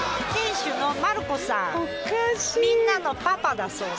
みんなのパパだそうです。